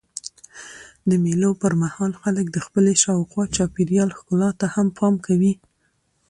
د مېلو پر مهال خلک د خپلي شاوخوا چاپېریال ښکلا ته هم پام کوي.